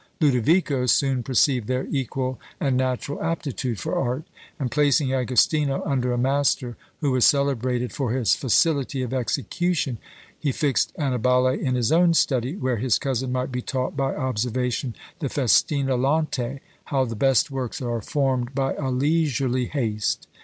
Lodovico soon perceived their equal and natural aptitude for art; and placing Agostino under a master who was celebrated for his facility of execution, he fixed Annibale in his own study, where his cousin might be taught by observation the Festina lente; how the best works are formed by a leisurely haste.